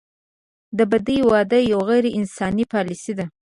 د بدۍ واده یوه غیر انساني پالیسي ده.